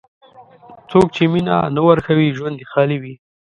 څوک چې مینه نه ورکوي، ژوند یې خالي وي.